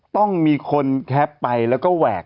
ต้องมีคนแคปไปแล้วก็แหวก